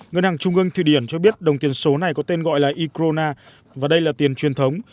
ngân hàng trung ương thụy điển cho biết đồng tiền số này có tên gọi là e krona và đây là tiền truyền thống